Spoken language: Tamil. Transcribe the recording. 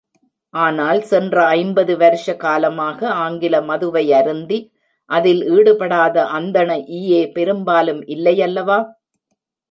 ஆனால், சென்ற ஐம்பது வருஷ காலமாக ஆங்கில மதுவை அருந்தி அதில் ஈடுபடாத அந்தண ஈயே பெரும்பாலும் இல்லையல்லவா?